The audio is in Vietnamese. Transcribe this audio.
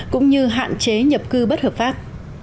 cũng như hạn chế nhập cư bất hợp pháp